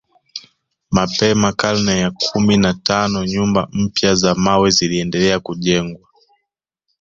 Mapema karne ya kumi na tano nyumba mpya za mawe ziliendelea kujengwa